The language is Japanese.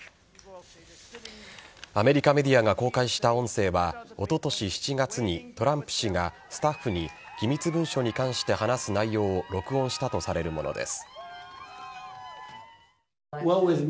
アメリカメディアが公開した音声は、おととし７月にトランプ氏がスタッフに機密文書に関して話す内容を録音したとされるものです。